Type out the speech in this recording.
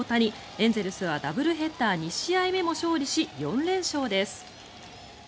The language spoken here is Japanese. エンゼルスはダブルヘッダー２試合目も勝利し４連勝です。